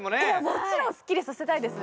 もちろんすっきりさせたいです。